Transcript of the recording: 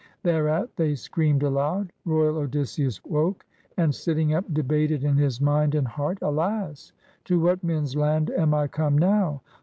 Theieat they screamed aloud. Royal Odysseus woke, and sitting up debated in his mind and heart: — "Alas! To what men's land am I come now?